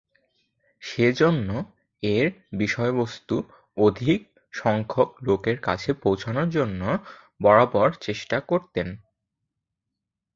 সে জন্য এর বিষয়বস্তু অধিক সংখ্যক লোকের কাছে পৌছানোর জন্য বারবার চেষ্টা করতেন।